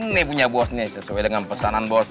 ini punya bos nih sesuai dengan pesanan bos